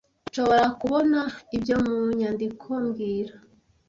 Nshobora kubona ibyo mu nyandiko mbwira